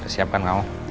udah siap kan mau